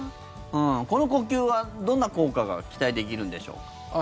この呼吸はどんな効果が期待できるんでしょうか？